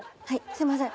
すいません。